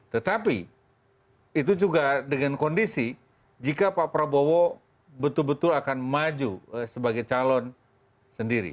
tetapi itu juga dengan kondisi jika pak prabowo betul betul akan maju sebagai calon sendiri